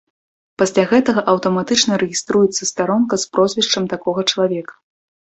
Пасля гэтага аўтаматычна рэгіструецца старонка з прозвішчам такога чалавека.